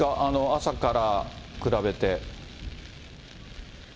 朝から比べて。